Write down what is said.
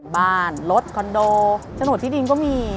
บ้านรถคอนโดฉนดที่ดินก็มี